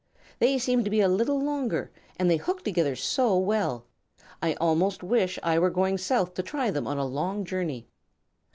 They seem to be a little longer, and they hook together so well. I almost wish I were going South to try them on a long journey."